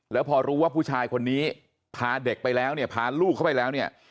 แล้วพอรู้ว่าผู้ชายคนนี้พาเด็กไปแล้วเนี่ยพาลูกเข้าไปแล้วเนี่ย